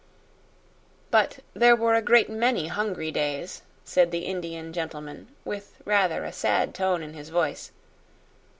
"But there were a great many hungry days," said the Indian gentleman, with rather a sad tone in his voice.